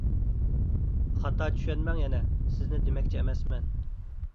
خاتا چۈشەنمەڭ يەنە، سىزنى دېمەكچى ئەمەسمەن.